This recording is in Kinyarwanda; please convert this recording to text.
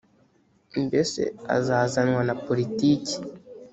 mbese azazanwa na politiki